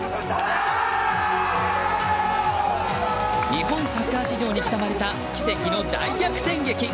日本サッカー史上に刻まれた奇跡の大逆転劇。